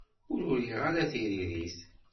Ur uriɣ ara tiririt.